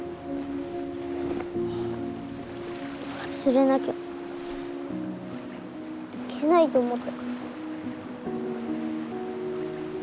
忘れなきゃいけないと思ったから。